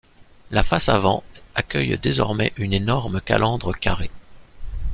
La face avant accueille désormais une énorme calandre carrée.